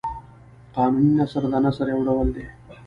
قانوني نثر د نثر یو ډول دﺉ.